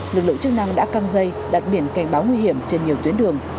lực lượng chức năng đã căng dây đặt biển cảnh báo nguy hiểm trên nhiều tuyến đường